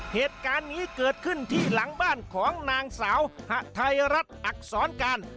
เหตุการณ์นี้เกิดขึ้นที่หลังบ้านของนางสาวหะไทยรัฐอักษรการ